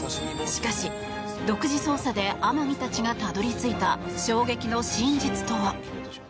しかし、独自捜査で天樹たちがたどり着いた衝撃の真実とは？